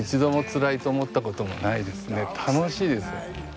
楽しいですよ。